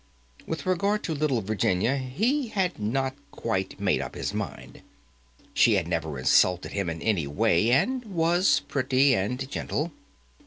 With regard to little Virginia, he had not quite made up his mind. She had never insulted him in any way, and was pretty and gentle.